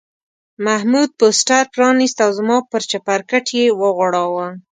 محمود پوسټر پرانیست او زما پر چپرکټ یې وغوړاوه.